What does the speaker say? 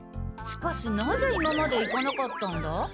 しかしなぜ今まで行かなかったんだ？